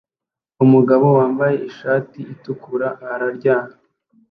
Umugabo wambaye ishati itukura ararya